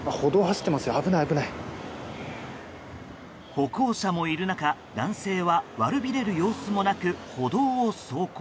歩行者もいる中、男性は悪びれる様子もなく歩道を走行。